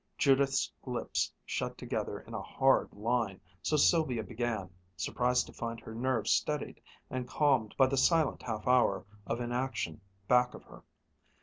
Judith's lips shut together in a hard line, so Sylvia began, surprised to find her nerves steadied and calmed by the silent half hour of inaction back of her.